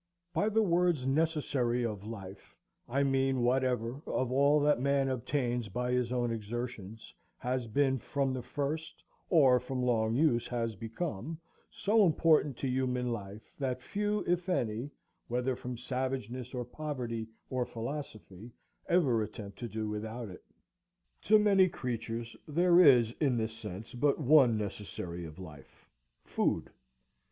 By the words, necessary of life, I mean whatever, of all that man obtains by his own exertions, has been from the first, or from long use has become, so important to human life that few, if any, whether from savageness, or poverty, or philosophy, ever attempt to do without it. To many creatures there is in this sense but one necessary of life, Food.